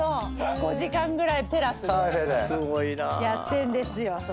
５時間ぐらいテラスでやってんですよそれを。